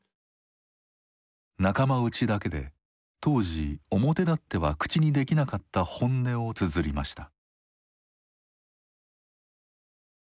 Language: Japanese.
仲間内だけで当時表だっては口にできなかった本音をつづりました。